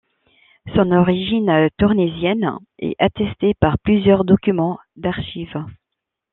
Son origine tournaisienne est attestée par plusieurs documents d'archives.